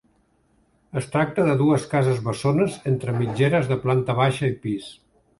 Es tracta de dues cases bessones entre mitgeres de planta baixa i pis.